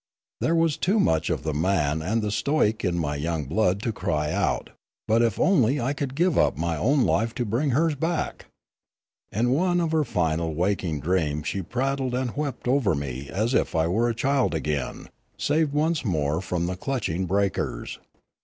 There was too much of the man and the stoic in my young blood to cry out; but if only I could give up my own life to bring hers back ! In one of her final wak ing dreams she prattled and wept over me as if I were a child again, saved once more from the clutching breakers.